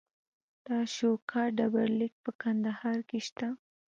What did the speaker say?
د اشوکا ډبرلیک په کندهار کې شته